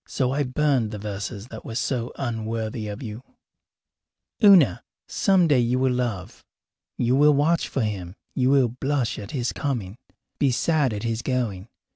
So I burned the verses that were so unworthy of you. Una, some day you will love. You will watch for him; you will blush at his coming, be sad at his going.